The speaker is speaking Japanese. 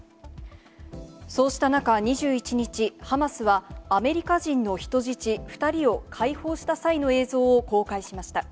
そうした中、２１日、ハマスはアメリカ人の人質２人を解放した際の映像を公開しました。